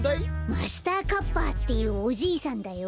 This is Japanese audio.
マスターカッパっていうおじいさんだよ。